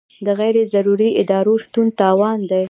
د غیر ضروري ادارو شتون تاوان دی.